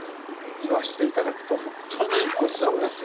いわして頂くと本当にごちそうです。